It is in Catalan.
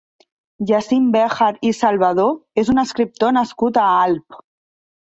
Jacint Béjar i Salvadó és un escriptor nascut a Alp.